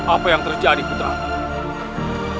apa yang terjadiawak